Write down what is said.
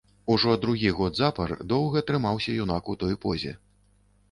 Ужо другі год запар доўга трымаўся юнак у той позе.